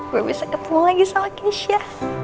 gue bisa ketemu lagi sama keisha